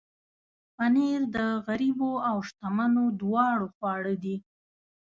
پنېر د غریبو او شتمنو دواړو خواړه دي.